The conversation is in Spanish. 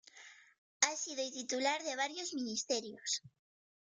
Ha sido y titular de varios ministerios.